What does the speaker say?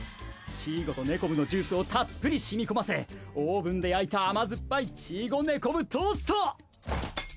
チーゴとネコブのジュースをたっぷり染み込ませオーブンで焼いた甘酸っぱいチーゴネコブトースト！